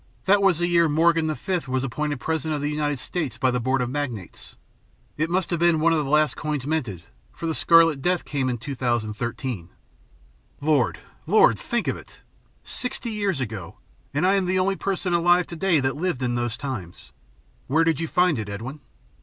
"That was the year Morgan the Fifth was appointed President of the United States by the Board of Magnates. It must have been one of the last coins minted, for the Scarlet Death came in 2013. Lord! Lord! think of it! Sixty years ago, and I am the only person alive to day that lived in those times. Where did you find it, Edwin?"